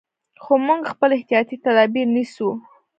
خو موږ خپل احتیاطي تدابیر نیسو.